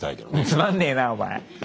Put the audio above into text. つまんねえなお前！